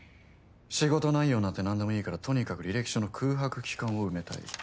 仕事内容なんて何でもいいからとにかく履歴書の空白期間を埋めたい。